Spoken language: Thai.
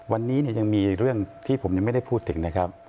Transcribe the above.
วันนี้ยังมีเรื่องที่ผมยังไม่ได้พูดถึงนะครับ